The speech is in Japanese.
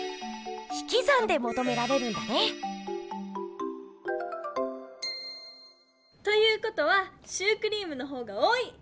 ひきざんでもとめられるんだね！ということはシュークリームの方が多い！